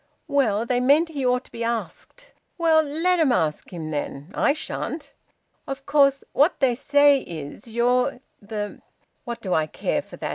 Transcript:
"Well they meant he ought to be asked." "Well, let 'em ask him, then. I shan't." "Of course what they say is you're the " "What do I care for that?"